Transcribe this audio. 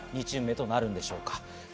２チーム目となるのでしょうか？